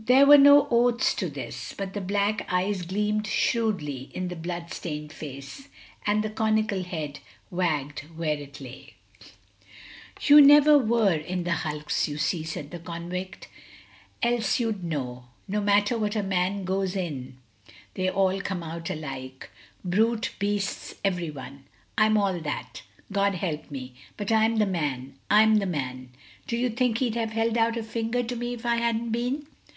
There were no oaths to this; but the black eyes gleamed shrewdly in the blood stained face, and the conical head wagged where it lay. "You never were in the hulks, you see," said the convict; "else you'd know. No matter what a man goes in, they all come out alike, brute beasts every one. I'm all that, God help me! But I'm the man I'm the man. Do you think he'd have held out a finger to me if I hadn't been?"